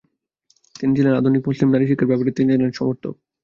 তিনি ছিলেন আধুনিক মুসলিম, নারীশিক্ষার ব্যাপারে তিনি ছিলেন সমর্থক।